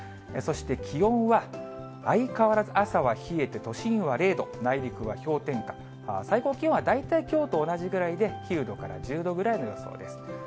そして気温は、相変わらず朝は冷えて都心は０度、内陸は氷点下、最高気温は大体きょうと同じぐらいで、９度から１０度ぐらいの予想です。